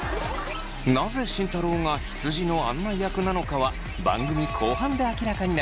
なぜ慎太郎がひつじの案内役なのかは番組後半で明らかになります。